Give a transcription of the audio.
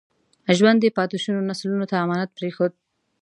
ژوند یې پاتې شونو نسلونو ته امانت پرېښود.